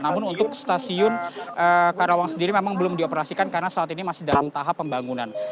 namun untuk stasiun karawang sendiri memang belum dioperasikan karena saat ini masih dalam tahap pembangunan